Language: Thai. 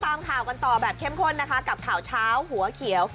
ตามข่าวกันต่อแบบเข้มข้นนะคะกับข่าวเช้าหัวเขียว